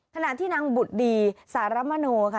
ขณะที่นางบุตรดีสารมโนค่ะ